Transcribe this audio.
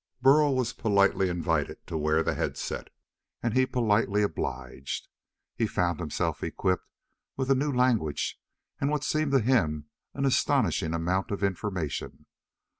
Burl was politely invited to wear the head set, and he politely obliged. He found himself equipped with a new language and what seemed to him an astonishing amount of information.